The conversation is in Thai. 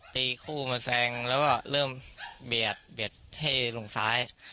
ตีคู่มาแซงแล้วก็เริ่มเบียดเบียดให้ลงซ้าย